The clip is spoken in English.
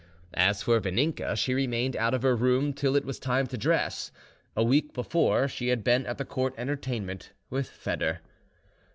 As for Vaninka, she remained out of her room till it was time to dress. A week before, she had been at the Court entertainment with Foedor.